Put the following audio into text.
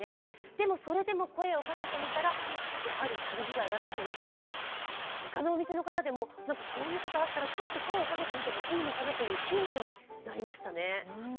でもそれでも声をかけてみたら、やはり詐欺被害だったということで、他のお店の方でもこういうことがあったら、ちょっと声をかけてみてもいいのかなとヒントになりましたね。